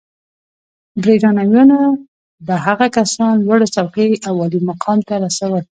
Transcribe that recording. برېټانویانو به هغه کسان لوړو څوکیو او عالي مقام ته رسول.